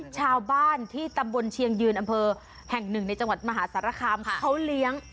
ชาวบ้านที่ตำบลเชียงยืนอำเภอแห่งหนึ่งในจังหวัดมหาสารคามเขาเลี้ยง